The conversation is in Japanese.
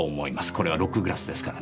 これはロックグラスですからね。